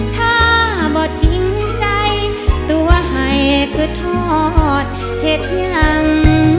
ถ้าบ่จริงใจตัวให้ก็ทอดเหตุอย่าง